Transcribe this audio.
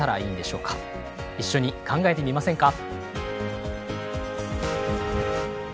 一緒に考えてみませんか？